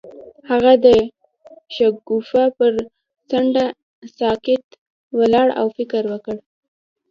هغه د شګوفه پر څنډه ساکت ولاړ او فکر وکړ.